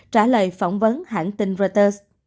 trả lời phỏng vấn hãng tin reuters